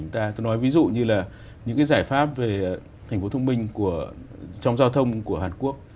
ta tôi nói ví dụ như là những cái giải pháp về thành phố thông minh trong giao thông của hàn quốc